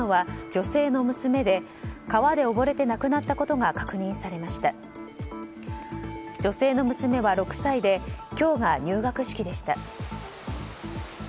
女性の娘は６歳で今日が入学式でした。